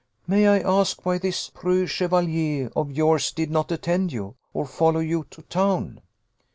May I ask why this preux chevalier of yours did not attend you, or follow you to town?"